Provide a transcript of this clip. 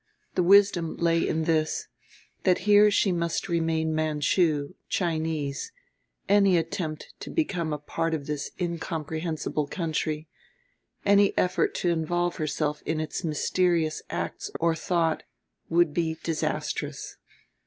The wisdom lay in this that here she must remain Manchu, Chinese; any attempt to become a part of this incomprehensible country, any effort to involve herself in its mysterious acts or thought, would be disastrous.